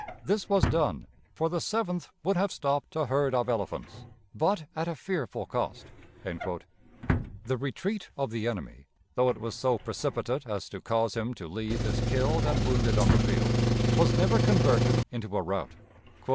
This was done, for the Seventh would have stopped a herd of elephants but at a fearful cost." The retreat of the enemy, though it was so precipitate as to cause him to leave his killed and wounded on the field, was never converted into a rout.